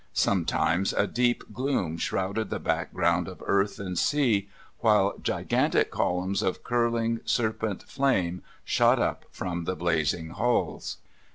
Sometimes a deep gloom shrouded the background of earth and sea, while gigantic columns of curling, serpent flame shot up from the blazing hulls.